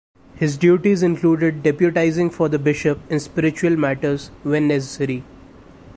His duties included deputising for the Bishop in spiritual matters when necessary.